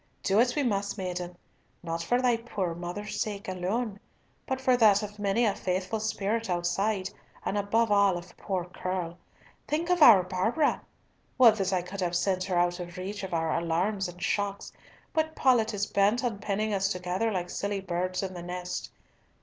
Do it we must, maiden, not for thy poor mother's sake alone, but for that of many a faithful spirit outside, and above all of poor Curll. Think of our Barbara! Would that I could have sent her out of reach of our alarms and shocks, but Paulett is bent on penning us together like silly birds in the net.